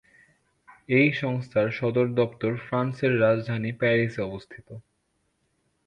এই সংস্থার সদর দপ্তর ফ্রান্সের রাজধানী প্যারিসে অবস্থিত।